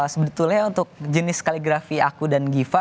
sebetulnya untuk jenis kaligrafi aku dan giva